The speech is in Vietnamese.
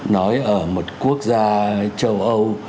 nói ở một quốc gia châu âu